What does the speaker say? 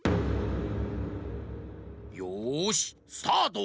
よしスタート！